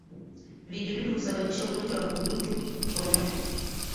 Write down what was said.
Vijidudu husababisha ugonjwa wa ukurutu kwa ngombe